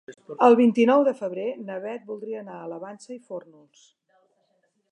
El vint-i-nou de febrer na Beth voldria anar a la Vansa i Fórnols.